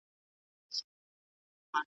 یوه لو ناره یې وکړله له خونده .